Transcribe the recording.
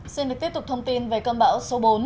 xin được tiếp tục thông tin về cơn bão số bốn